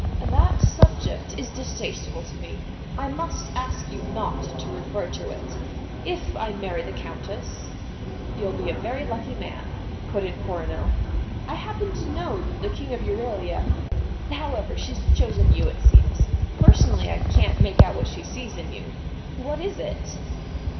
"That subject is distasteful to me. I must ask you not to refer to it. If I marry the Countess " "You'll be a very lucky man," put in Coronel. "I happen to know that the King of Euralia however, she's chosen you, it seems. Personally, I can't make out what she sees in you. What is it?"